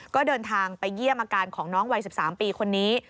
ก็เดินทางไปเยี่ยมอาการของน้องวัย๑๓ปีคนนี้